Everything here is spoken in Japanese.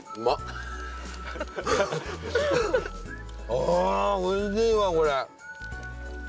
あおいしいわこれ！